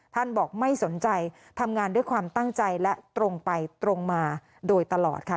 บอกไม่สนใจทำงานด้วยความตั้งใจและตรงไปตรงมาโดยตลอดค่ะ